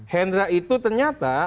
hendra itu ternyata